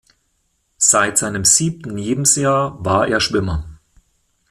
Seit seinem siebten Lebensjahr war er Schwimmer.